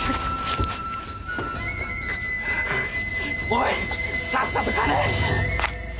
おいさっさと金！